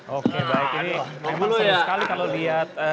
oke baik ini memaksa sekali kalau lihat